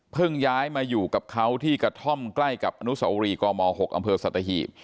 ย้ายมาอยู่กับเขาที่กระท่อมใกล้กับอนุสาวรีกม๖อำเภอสัตหีบ